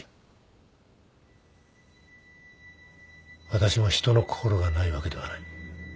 私も人の心がないわけではない。